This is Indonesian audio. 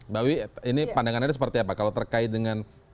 mbak wi ini pandangannya seperti apa kalau terkait dengan